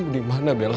kamu dimana bella